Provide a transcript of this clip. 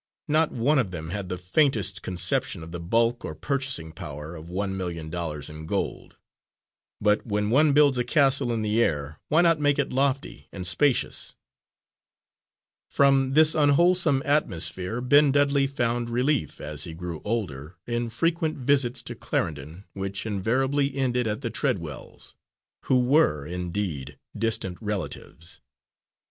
Not one of them had the faintest conception of the bulk or purchasing power of one million dollars in gold; but when one builds a castle in the air, why not make it lofty and spacious? From this unwholesome atmosphere Ben Dudley found relief, as he grew older, in frequent visits to Clarendon, which invariably ended at the Treadwells', who were, indeed, distant relatives.